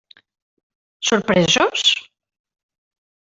Sorpresos?